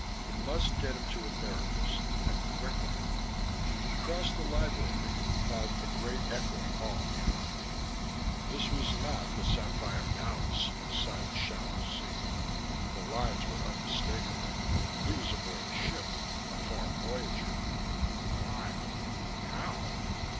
He must get him to a therapist and quickly. He crossed the library, found a great echoing hall beyond. This was not the Sapphire Palace beside the Shallow Sea. The lines were unmistakeable: he was aboard a ship, a far voyager. Why? How?